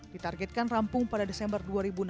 ditargetkan rampung pada desember dua ribu enam belas